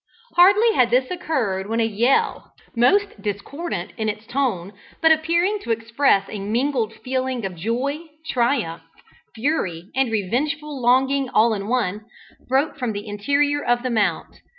Hardly had this occurred, when a yell, most discordant in its tone, but appearing to express a mingled feeling of joy, triumph, fury and revengeful longing all in one, broke from the interior of the mount.